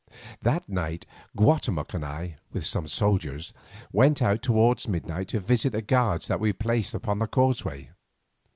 That night Guatemoc and I, with some soldiers, went out towards midnight to visit the guard that we had placed upon the causeway.